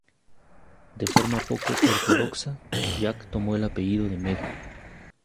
De forma poco ortodoxa, Jack tomó el apellido de Meg.